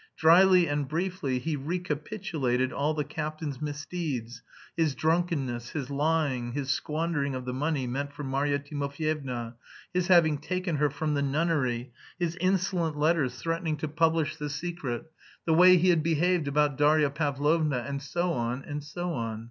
Dryly and briefly he recapitulated all the captain's misdeeds; his drunkenness, his lying, his squandering of the money meant for Marya Timofyevna, his having taken her from the nunnery, his insolent letters threatening to publish the secret, the way he had behaved about Darya Pavlovna, and so on, and so on.